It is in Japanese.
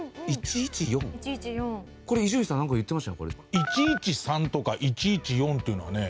１１３とか１１４っていうのはね